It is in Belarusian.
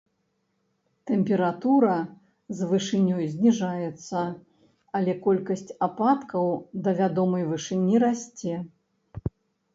Тэмпература з вышынёй зніжаецца, але колькасць ападкаў да вядомай вышыні расце.